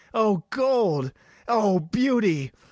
O gold! O beauty!